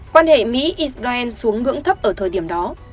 quan hệ mỹ israel xuống ngưỡng thấp ở thời điểm đó